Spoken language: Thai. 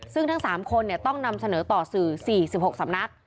ซึ่งทั้ง๓คนต้องนำเสนอต่อสื่อ๔๖สำนัก